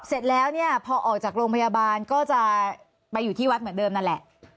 เสร็จแล้วเนี่ยพอออกจากโรงพยาบาลก็จะไปอยู่ที่วัดเหมือนเดิมนั่นแหละ